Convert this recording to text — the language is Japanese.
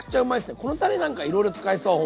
このたれなんかいろいろ使えそうほんとに。